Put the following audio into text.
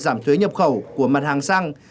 giảm thuế nhập khẩu của mặt hàng xăng